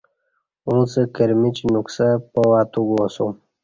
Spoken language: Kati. اُݩڅ کِرمِیچ نُوکسہ پاوہ اتو گواسوم